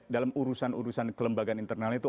dalam urusan urusan kelembagaan internal itu